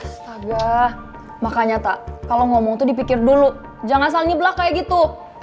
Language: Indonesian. staga makanya tak kalau ngomong tuh dipikir dulu jangan asal nyeblak kayak gitu